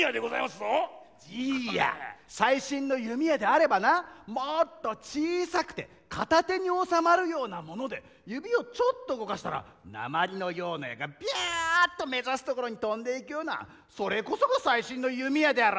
じいや最新の弓矢であればなもっと小さくて片手に収まるようなもので指をちょっと動かしたら鉛のような矢がピャーッと目指すところに飛んでいくようなそれこそが最新の弓矢であろう。